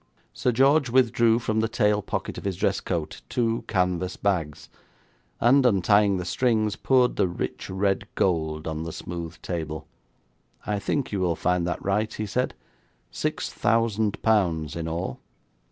Sir George withdrew from the tail pocket of his dress coat two canvas bags, and, untying the strings, poured the rich red gold on the smooth table. 'I think you will find that right,' he said; 'six thousand pounds in all.'